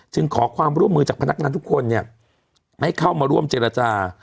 ขอความร่วมมือจากพนักงานทุกคนให้เข้ามาร่วมเจรจา